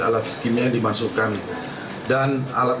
lalu yang ketiga adalah kelompok yang diambil uang